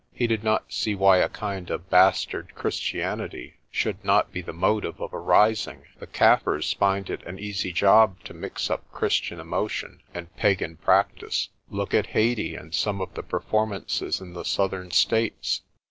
He did not see why a kind of bastard Christianity should not be the motive of a rising. "The Kaffir finds it an easy job to mix up Christian emotion and pagan practice. Look at Hayti and some of the per formances in the Southern States."